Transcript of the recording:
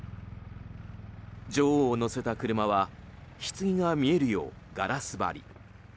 女王を乗せた車はひつぎが見えるようガラス張り。